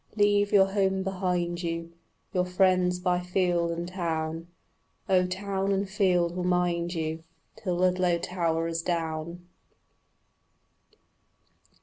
Leave your home behind you, Your friends by field and town Oh, town and field will mind you Till Ludlow tower is down.